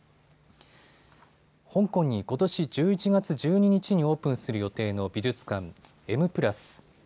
香港にことし１１月１２日にオープンする予定の美術館、Ｍ＋。